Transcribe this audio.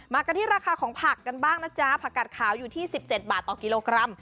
กันที่ราคาของผักกันบ้างนะจ๊ะผักกัดขาวอยู่ที่๑๗บาทต่อกิโลกรัม